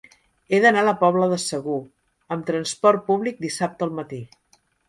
He d'anar a la Pobla de Segur amb trasport públic dissabte al matí.